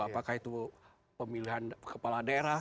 apakah itu pemilihan kepala daerah